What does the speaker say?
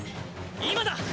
今だ！